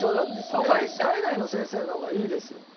海外の先生の方がいいですよ。